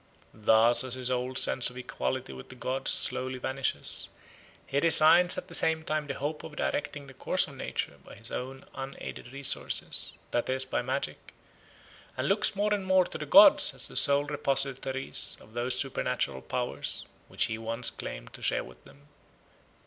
Thus as his old sense of equality with the gods slowly vanishes, he resigns at the same time the hope of directing the course of nature by his own unaided resources, that is, by magic, and looks more and more to the gods as the sole repositories of those supernatural powers which he once claimed to share with them.